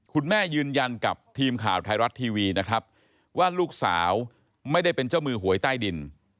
ยืนยันกับทีมข่าวไทยรัฐทีวีนะครับว่าลูกสาวไม่ได้เป็นเจ้ามือหวยใต้ดิน